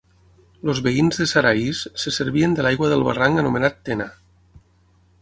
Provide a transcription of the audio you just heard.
Els veïns de Saraís se servien de l'aigua del barranc anomenat Tena.